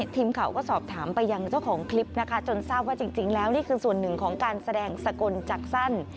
ทีมข่าวก็สอบถามไปยังเจ้าของคลิปนะคะจนทราบว่าจริงแล้วนี่คือส่วนหนึ่งของการแสดงสกลจากสั้น